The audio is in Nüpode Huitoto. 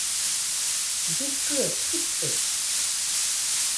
Llɨkɨaɨ kɨte.